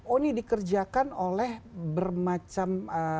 oh ini dikerjakan oleh bermacam